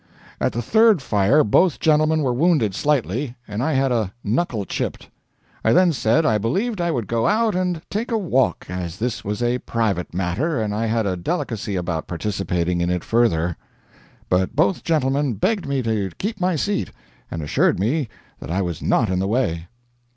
At the third fire both gentlemen were wounded slightly, and I had a knuckle chipped. I then said, I believed I would go out and take a walk, as this was a private matter, and I had a delicacy about participating in it further. But both gentlemen begged me to keep my seat, and assured me that I was not in the way.